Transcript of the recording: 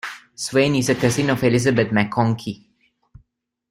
Swayne is a cousin of Elizabeth Maconchy.